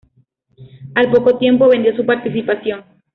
Al poco tiempo vendió su participación.